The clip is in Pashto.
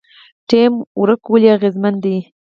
ټیم ورک ولې اغیزمن دی؟